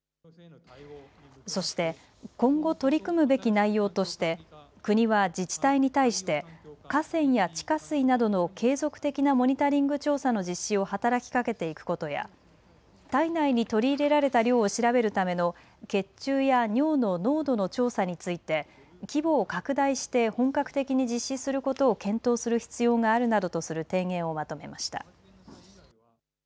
そして今後、取り組むべき内容として国は自治体に対して河川や地下水などの継続的なモニタリング調査の実施を働きかけていくことや体内に取り入れられた量を調べるための血中や尿の濃度の調査について規模を拡大して本格的に実施することを検討する必要があるなどとする提言をまとめました。